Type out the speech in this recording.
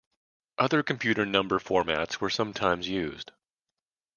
Other computer number formats were sometimes used.